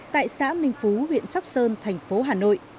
tại xã minh phú huyện sóc sơn thành phố hà nội